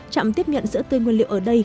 chạm tiếp nhận sữa tươi nguyên liệu ở đây